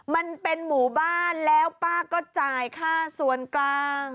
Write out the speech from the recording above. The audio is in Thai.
มันเป็นหมู่บ้านแล้วป้าก็จ่ายค่าส่วนกลาง